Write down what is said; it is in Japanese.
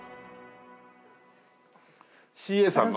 ＣＡさんの？